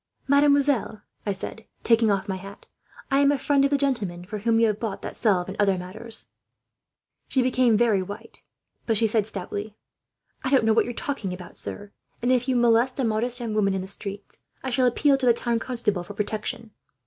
"'Mademoiselle,' I said, taking off my hat, 'I am a friend of the gentleman for whom you have bought that salve, and other matters.' "She became very white, but she said stoutly: "'I don't know what you are talking about, sir; and if you molest a modest young woman in the streets, I shall appeal to the town constables for protection.'